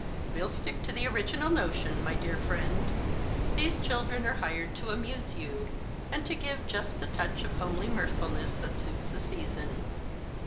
We'll stick to the original notion, my dear friend. These chiklren are hired to amuse you, and to give just the touch of homely mirthfulness that suits the season.